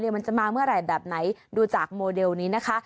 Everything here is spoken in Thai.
มันจะมาเมื่อไหร่แบบไหนดูจากโมเดลนี้นะคะ